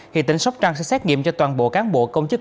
hiện tỉnh sóc trăng sẽ xét nghiệm cho toàn bộ cán bộ công chức